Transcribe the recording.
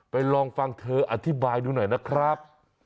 ลองฟังเธออธิบายดูหน่อยนะครับ